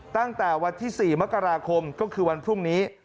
ตั้งแต่วันที่๔มกราคมก็คือวันพรุ่งนี้